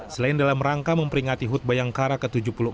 selain dalam rangka memperingati hut bayangkara ke tujuh puluh empat